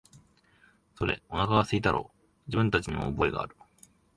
それ、おなかが空いたろう、自分たちにも覚えがある、